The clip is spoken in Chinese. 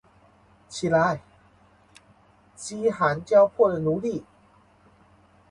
起来，饥寒交迫的奴隶！